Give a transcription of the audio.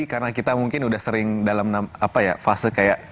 karena kita mungkin udah sering dalam fase kayak